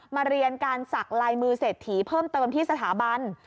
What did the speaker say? มาเรียนการศักดิ์ลายมือเสร็จถีเพิ่มเติมที่สถาบัน